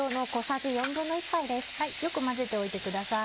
よく混ぜておいてください。